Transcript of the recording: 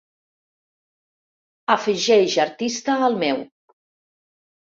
afegeix artista al meu